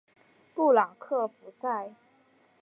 布朗克福塞。